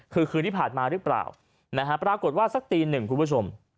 คือคืนที่ผ่านมาหรือเปล่านะฮะปรากฏว่าสักตีหนึ่งคุณผู้ชม